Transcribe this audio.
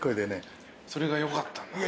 それがよかったんだ。